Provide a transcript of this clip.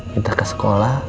kita ke sekolah